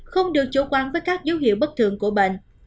không được chủ quan với các dấu hiệu bất thường của bệnh